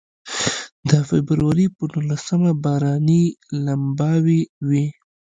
د فبروري په نولسمه باراني لمباوې وې.